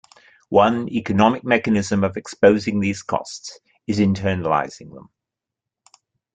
One economic mechanism of exposing these costs is internalizing them.